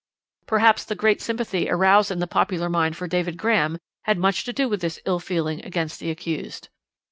"Perhaps the great sympathy aroused in the popular mind for David Graham had much to do with this ill feeling against the accused.